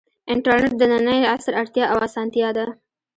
انټرنیټ د ننني عصر اړتیا او اسانتیا ده.